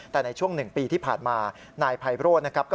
แต่ในช่วง๑ปีที่ผ่านมานายไพโรธนะครับ